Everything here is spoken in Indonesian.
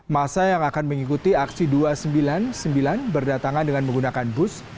masa yang akan mengikuti aksi dua ratus sembilan puluh sembilan berdatangan dengan menggunakan bus